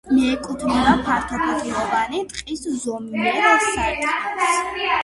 მიეკუთვნება ფართოფოთლოვანი ტყის ზომიერ სარტყელს.